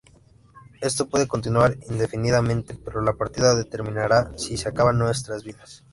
Esto puede continuar indefinidamente, pero la partida terminará si se acaban nuestras vidas.